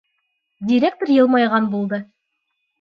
Директор йылмайған булды.